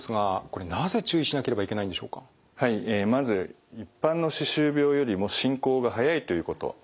まず一般の歯周病よりも進行が早いということ